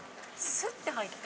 スッて入った。